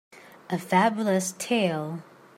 A Fabulous tale